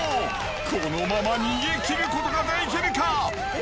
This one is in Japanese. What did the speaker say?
このまま逃げきることができるか？